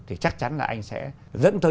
thì chắc chắn là anh sẽ dẫn tới